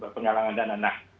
penggalangan dana nah